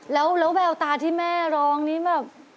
แล้วแววตาที่แม่ร้องนี้แบบ